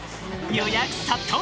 予約殺到！